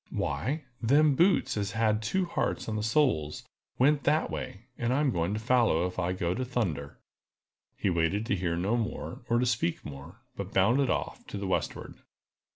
"Why, them boots as had two hearts on the soles went that way, and I'm going to follow if I go to thunder!" He waited to hear no more, or to speak more, but bounded off to the westward.